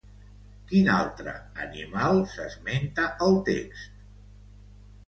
Quin altre animal s'esmenta al text?